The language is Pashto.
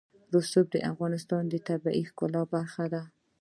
رسوب د افغانستان د طبیعت د ښکلا برخه ده.